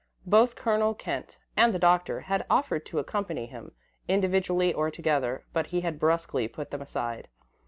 Both Colonel Kent and the Doctor had offered to accompany him, individually or together, but he had brusquely put them aside.